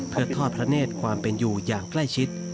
เพื่อทอดพระเนธความเป็นอยู่อย่างใกล้ชิด